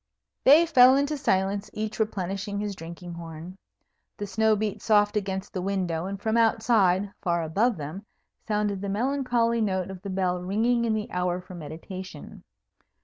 They fell into silence, each replenishing his drinking horn. The snow beat soft against the window, and from outside, far above them, sounded the melancholy note of the bell ringing in the hour for meditation.